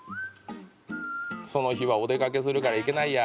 「その日はお出かけするから行けないや」